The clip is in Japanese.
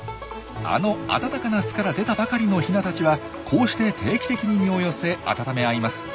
あの暖かな巣から出たばかりのヒナたちはこうして定期的に身を寄せ温め合います。